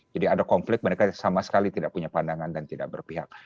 jadi ada konflik mereka sama sekali tidak punya pandangan dan tidak berpihak